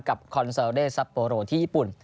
กับคอนเซอร์เดสซาโปโรที่ญี่ปุ่น